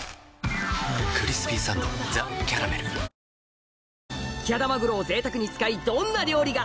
続くキハダマグロを贅沢に使いどんな料理が？